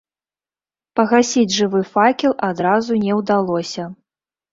Пагасіць жывы факел адразу не ўдалося.